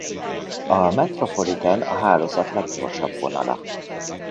A Metropolitan a hálózat leggyorsabb vonala.